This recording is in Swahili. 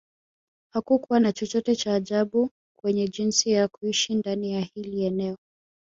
Hakukua na chochote cha ajabu kwenye jinsi ya kuishi ndani ya hili eneo